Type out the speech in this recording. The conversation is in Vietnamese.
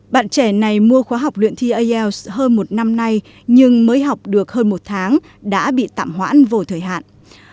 bạn trẻ này mua khóa học luyện thi ielts hơn một năm nay nhưng mới học được hơn một tháng đã bị tạm hoãn vô thời hạn